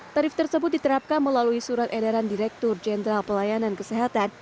tarif tersebut diterapkan melalui surat edaran direktur jenderal pelayanan kesehatan